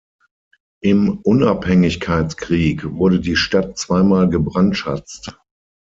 Im Unabhängigkeitskrieg wurde die Stadt zweimal gebrandschatzt.